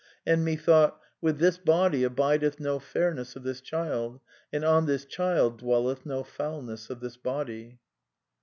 And methought: With this body abideth no fairness of this Child, and on this Child dwelleth no foulness of this body."